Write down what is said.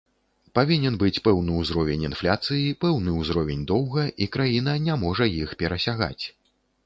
Павінен быць пэўны ўзровень інфляцыі, пэўны ўзровень доўга, і краіна не можа іх перасягаць.